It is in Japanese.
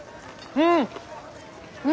うん！